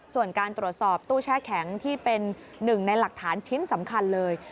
ส่วนการตรวจสอบตู้แช่แข็งที่เป็นหนึ่งในหลักฐานชิ้นสำคัญเลย